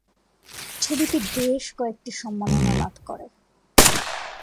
ছবিটি বেশ কয়েকটি সম্মাননা লাভ করে।